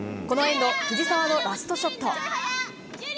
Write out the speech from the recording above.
このエンド藤澤のラストショット。